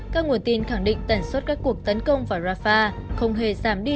các nguồn tin khẳng định tần suất các cuộc tấn công vào rafah không hề giảm đi